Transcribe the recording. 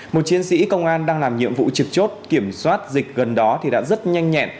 một chiến sĩ công an đang làm nhiệm vụ trực chốt kiểm soát dịch gần đó thì đã rất nhanh nhẹn